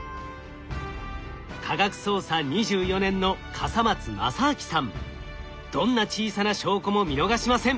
科学捜査２４年のどんな小さな証拠も見逃しません。